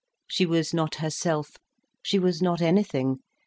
She was not herself,—she was not anything.